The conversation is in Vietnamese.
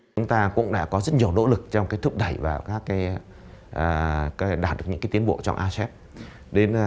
chúng ta cũng đã có rất nhiều nỗ lực trong thúc đẩy và đạt được những tiến bộ trong asean